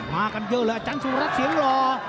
มากันเยอะเลยอาจารย์สุรัสตเสียงหล่อ